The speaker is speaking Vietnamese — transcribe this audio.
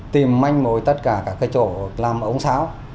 tìm manh mối tất cả các chỗ làm ống sáo